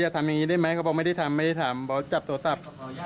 อย่าทำอย่างนี้ได้ไหมก็บอกไม่ได้ทำไม่ได้ทำบอกจับโทรศัพท์